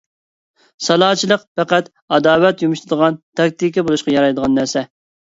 سالاچىلىق پەقەتلا ئاداۋەت يۇمشىتىدىغان تاكتىكا بولۇشقا يارايدىغان نەرسە.